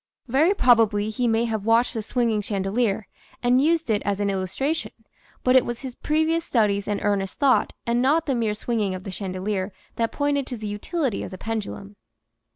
Very probably he may have watched the swinging chandelier and used it as an illustration, but it was his previous studies and earnest thought and not the mere swinging of the chandelier that pointed to the utility of the pendulum.